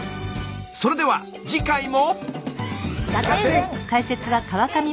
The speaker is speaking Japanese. それでは次回も！